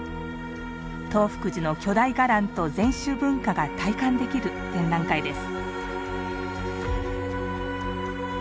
東福寺の巨大伽藍と禅宗文化が体感できる展覧会です。